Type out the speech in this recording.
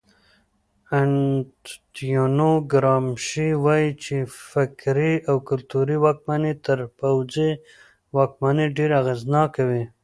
انتونیو ګرامشي وایي چې فکري او کلتوري واکمني تر پوځي واکمنۍ ډېره اغېزناکه وي.